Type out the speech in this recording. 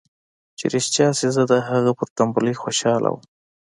چې رښتيا سي زه د هغه پر ټمبلۍ خوشاله وم.